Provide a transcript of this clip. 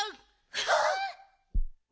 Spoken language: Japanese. はっ！